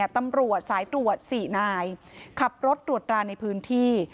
ตำรวจสายตรวจ๔นายขับรถตรวจราในพื้นที่